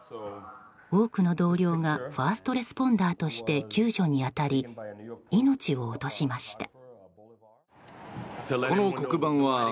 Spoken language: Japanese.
多くの同僚がファーストレスポンダーとして救助に当たり命を落としました。